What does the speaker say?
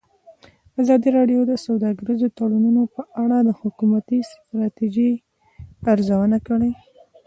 ازادي راډیو د سوداګریز تړونونه په اړه د حکومتي ستراتیژۍ ارزونه کړې.